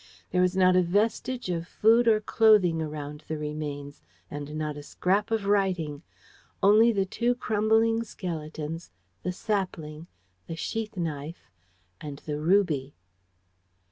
There was not a vestige of food or clothing around the remains, and not a scrap of writing only the two crumbling skeletons, the sapling, the sheath knife, and the ruby.